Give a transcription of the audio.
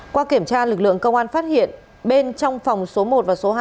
qua kiểm tra lực lượng công an phát hiện bên trong phòng số một và số hai